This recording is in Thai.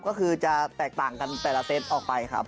ก็คือจะแตกต่างกันแต่ละเซตออกไปครับ